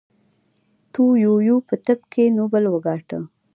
تو یویو په طب کې نوبل وګاټه.